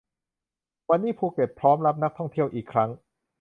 วันนี้ภูเก็ตพร้อมรับนักท่องเที่ยวอีกครั้ง